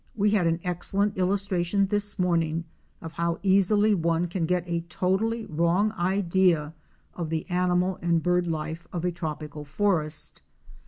—We had an excellent illustration this morning of how easily one can get a totally wrong idea of the animal and bird life of a tropical forest.